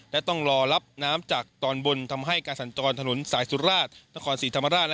และต้องรอรับน้ำจากตอนบนทำให้การสัญจรถนนสายสุราชนครศรีธรรมราช